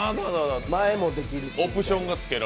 前もできるし。